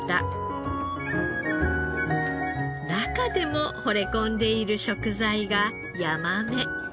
中でも惚れ込んでいる食材がヤマメ。